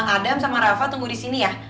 adam sama rafa tunggu disini ya